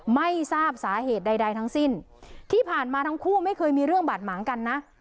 ไม่ทราบสาเหตุใดทั้งสิ้นที่ผ่านมาทั้งคู่ไม่เคยมีเรื่องบาดหมางกันนะ